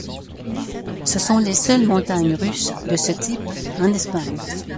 Ce sont les seules montagnes russes de ce type en Espagne.